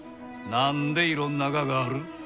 何でいろんなががある？